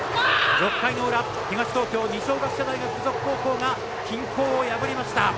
６回の裏、東東京二松学舎大学付属高校が均衡を破りました！